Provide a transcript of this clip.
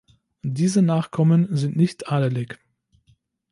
Diese Nachkommen sind nicht adelig.